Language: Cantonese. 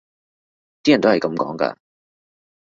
啲人都係噉講㗎